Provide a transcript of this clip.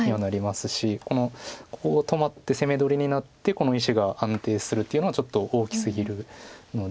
このこう止まって攻め取りになってこの石が安定するっていうのはちょっと大きすぎるので。